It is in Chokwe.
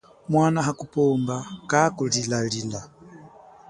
Mwana hakupomba kaku lilalila.